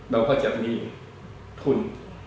เราก็จะมีทุน